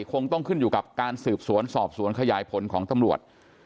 คงต้องขึ้นอยู่กับการสืบสวนสอบสวนขยายผลของตำรวจ